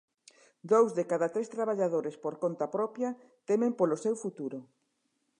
Dous de cada tres traballadores por conta propia temen polo seu futuro.